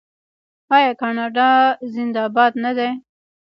آیا کاناډا زنده باد نه دی؟